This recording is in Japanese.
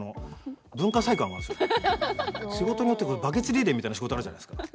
仕事によって、バケツリレーみたいな仕事あるじゃないですか。